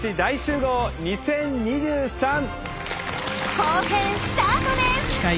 後編スタートです！